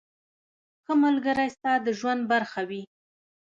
• ښه ملګری ستا د ژوند برخه وي.